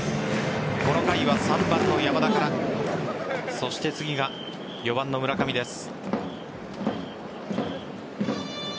この回は３番の山田からそして次が４番の村上です。